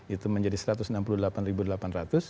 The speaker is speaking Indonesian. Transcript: itu menjadi rp satu ratus enam puluh delapan delapan ratus